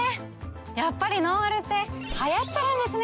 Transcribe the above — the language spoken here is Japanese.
やっぱりノンアルって流行ってるんですね。